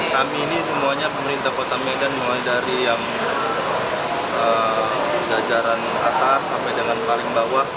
kami ini semuanya pemerintah kota medan mulai dari yang jajaran atas sampai dengan paling bawah